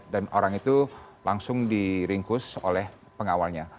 dan orang itu langsung diringkus oleh pengawalnya